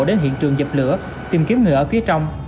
đến hiện trường dập lửa tìm kiếm người ở phía trong